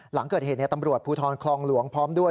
หลังเกิดเหตุตำรวจภูทรคลองหลวงพร้อมด้วย